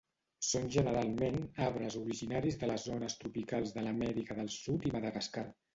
Són generalment arbres originaris de les zones tropicals de l'Amèrica del Sud i Madagascar.